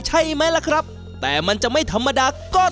ใช่ไหมล่ะครับแต่มันจะไม่ธรรมดาก็